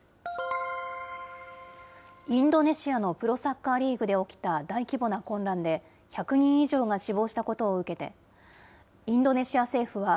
インドネシアのプロサッカーリーグで起きた大規模な混乱で、１００人以上が死亡したことを受けて、インドネシア政府は、